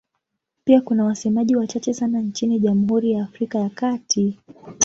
Pia kuna wasemaji wachache sana nchini Jamhuri ya Afrika ya Kati.